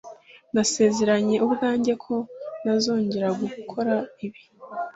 nasezeranye ubwanjye ko ntazongera gukora ibi